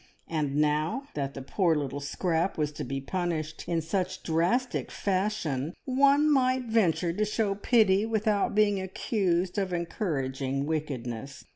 And now that the poor little scrap was to be punished in such drastic fashion, one might venture to show pity without being accused of encouraging wickedness.